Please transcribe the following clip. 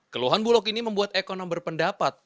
keluhan bulok ini membuat ekonomi berpendapat